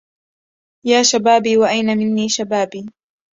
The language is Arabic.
يا شبابي وأين مني شبابي